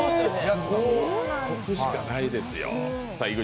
得しかないですよ。